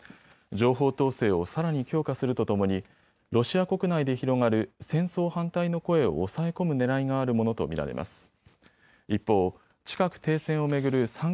情報統制をさらに強化するとともにロシア国内で広がる戦争反対の声を押さえ込むねらいがあるものと見られます。